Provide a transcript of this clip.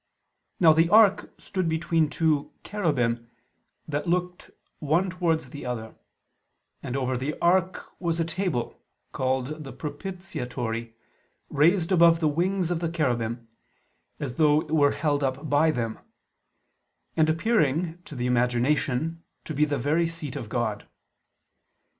Now the ark stood between two "cherubim" that looked one towards the other: and over the ark was a table, called the "propitiatory," raised above the wings of the cherubim, as though it were held up by them; and appearing, to the imagination, to be the very seat of God.